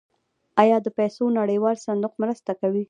آیا د پیسو نړیوال صندوق مرسته کوي؟